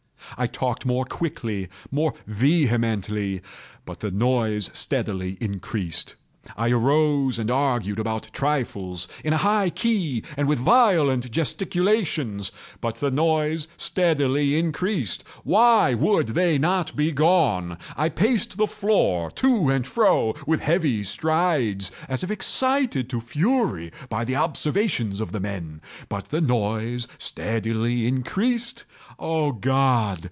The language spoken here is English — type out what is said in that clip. I talked more quickly—more vehemently; but the noise steadily increased. I arose and argued about trifles, in a high key and with violent gesticulations; but the noise steadily increased. Why would they not be gone? I paced the floor to and fro with heavy strides, as if excited to fury by the observations of the men—but the noise steadily increased. Oh God!